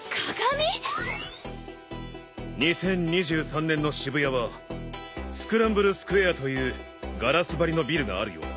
２０２３年の渋谷はスクランブルスクエアというガラス張りのビルがあるようだ。